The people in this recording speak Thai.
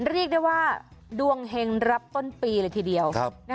เรียกได้ว่าดวงเฮงรับต้นปีเลยทีเดียว